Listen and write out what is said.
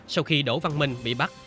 sau khi đỗ văn minh bị bắt